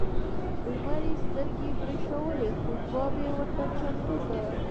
لمر یې سترګې برېښولې خو ځواب یې ورته چمتو کړ.